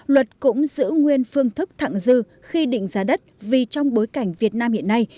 luật cũng giữ nguyên phương thức thẳng dư khi định giá đất vì trong bối cảnh việt nam hiện nay